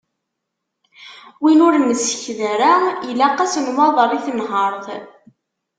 Win ur nsekked ara ilaq-as nwaḍer i tenhert.